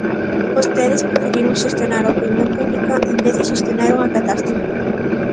Vostedes preferiron xestionar a opinión pública en vez de xestionar unha catástrofe.